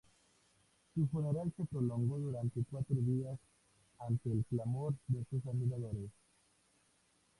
Su funeral se prolongó durante cuatro días ante el clamor de sus admiradores.